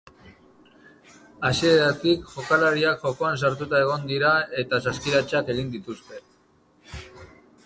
Hasieratik jokalariak jokoan sartuta egon dira eta saskiratzeak egin dituzte.